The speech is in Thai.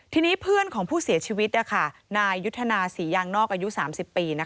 ทีนี้เพื่อนของผู้เสียชีวิตนายยุทธนาศรียางนอกอายุ๓๐ปี